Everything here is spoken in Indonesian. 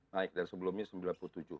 naik dari sebelumnya sembilan puluh tujuh